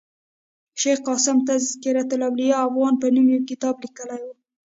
شېخ قاسم تذکرة الاولياء افغان په نوم یو کتاب لیکلی ؤ.